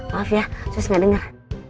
maaf ya sus gak denger